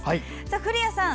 古谷さん